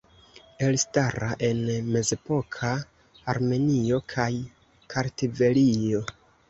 Elstara en mezepoka Armenio kaj Kartvelio.